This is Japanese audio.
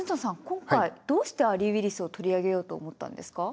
今回どうしてアリー・ウィリスを取り上げようと思ったんですか？